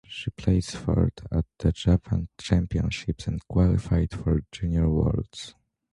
She placed fourth at the Japan Championships and qualified for Junior Worlds.